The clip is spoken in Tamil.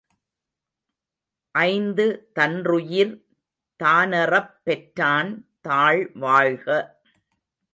ஐந்து தன்றுயிர் தானறப் பெற்றான் தாள் வாழ்க!